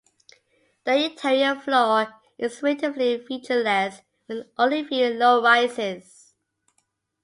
The interior floor is relatively featureless, with only a few low rises.